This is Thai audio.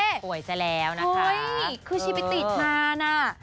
ป่วยแสดงแล้วนะคะเฮ้ยคือชีไปติดมาน่ะ